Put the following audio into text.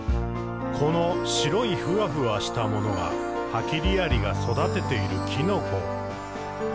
「この白いふわふわしたものがハキリアリが育てているきのこ。」